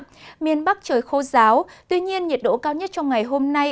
trong ngày hôm nay miền bắc trời khô ráo tuy nhiên nhiệt độ cao nhất trong ngày hôm nay